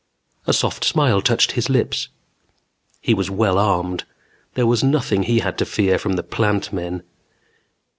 A soft smile touched his lips. He was well armed; there was nothing he had to fear from the Plant Men.